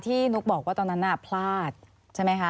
นุ๊กบอกว่าตอนนั้นน่ะพลาดใช่ไหมคะ